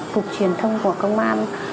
cục truyền thông của công an